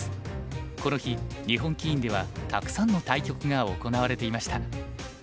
この日日本棋院ではたくさんの対局が行われていました。